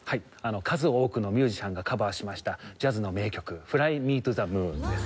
数多くのミュージシャンがカバーしましたジャズの名曲『フライ・ミー・トゥ・ザ・ムーン』です。